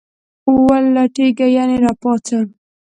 ولټیږه ..یعنی را پاڅه